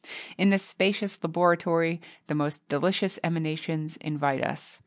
In this spacious laboratory the most delicious emanations invite us.